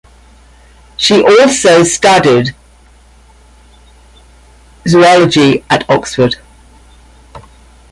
She also studied zoology at Oxford.